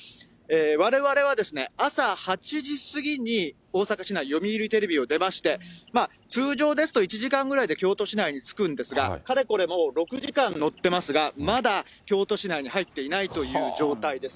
われわれは朝８時過ぎに大阪市内、読売テレビを出まして、通常ですと１時間ぐらいで京都市内に着くんですが、かれこれもう６時間乗ってますが、まだ京都市内に入っていないという状態です。